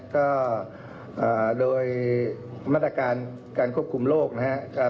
ก็โดยมาตรการการควบคุมโรคนะครับ